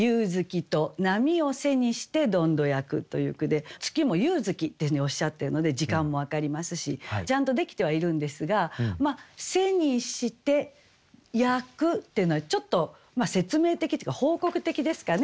という句で月も「夕月」というふうにおっしゃってるので時間も分かりますしちゃんとできてはいるんですが「背にして」「焼く」っていうのはちょっと説明的っていうか報告的ですかね。